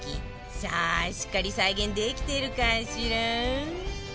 さあしっかり再現できてるかしら？